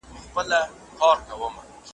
شاعر، ناول لیکونکی ,